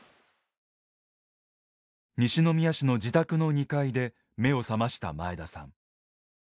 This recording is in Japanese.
西宮市の自宅の２階で目を覚ました前田さん。